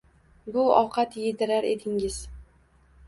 Bu ovqat yedirar edingiz.